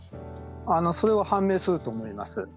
それは判明すると思います。